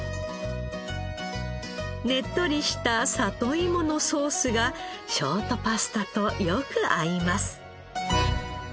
ねっとりした里いものソースがショートパスタとよく合います。